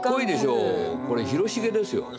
これ広重ですよ。